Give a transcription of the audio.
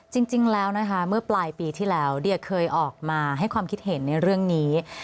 จริงแล้วนะคะเมื่อปลายปีที่แล้วเดียเคยออกมาให้ความคิดเห็นในเรื่องนี้